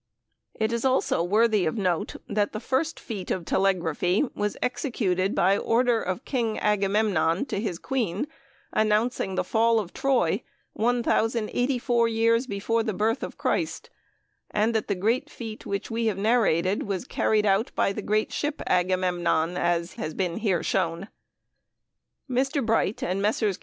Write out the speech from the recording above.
It is also worthy of note that the first feat of telegraphy was executed by order of King "Agamemnon" to his queen, announcing the fall of Troy, 1,084 years before the birth of Christ, and that the great feat which we have narrated was carried out by the great ship Agamemnon, as has been here shown. Mr. Bright and Messrs.